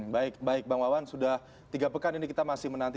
baik baik bang wawan sudah tiga pekan ini kita masih menanti